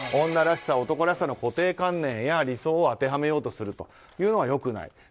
女らしさ、男らしさの固定観念や理想に当てはめようとするのは良くない。